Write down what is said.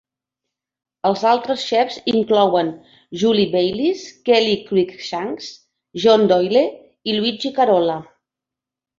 Els altres xefs inclouen Julie Baylis, Kelly Cruickshanks, John Doyle i Luigi Carola.